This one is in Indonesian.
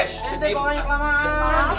seter bulan dong